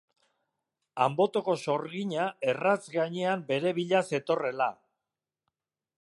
Anbotoko sorgina erratz gainean bere bila zetorrela.